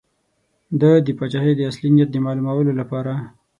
ده د پاچا د اصلي نیت د معلومولو لپاره.